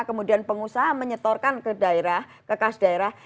kemudian pengusaha menyetorkan ke daerah ke kas daerah